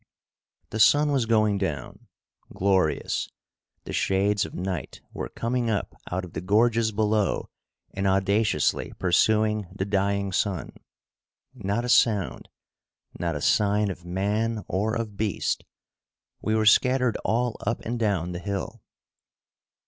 The sun was going down. Glorious! The shades of night were coming up out of the gorges below and audaciously pursuing the dying sun. Not a sound. Not a sign of man or of beast. We were scattered all up and down the hill.